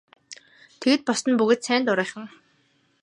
Тэгээд бусад нь бүгд сайн дурынхан.